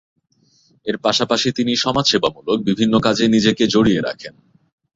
এর পাশাপাশি তিনি সমাজ সেবামূলক বিভিন্ন কাজে নিজেকে জড়িয়ে রাখেন।